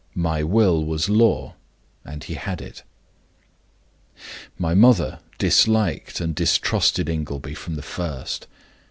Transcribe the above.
My will was law, and he had it. "My mother disliked and distrusted Ingleby from the first.